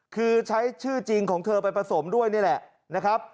คือใช้ชื่อจริงของเธอไปผสมด้วยนี่แหละนะครับ